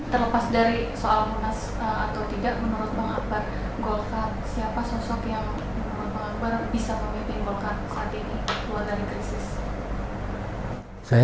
terlepas dari soal lunas atau tidak menurut bang akbar golfer siapa sosok yang bisa memimpin golfer saat ini